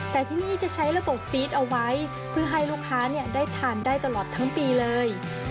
แต่ที่นี่จะใช้ระบบฟีดเอาไว้เพื่อให้ลูกค้าได้ทานได้ตลอดทั้งปีเลย